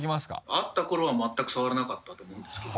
あった頃は全く触らなかったと思うんですけど。